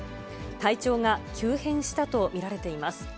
体調が急変したと見られています。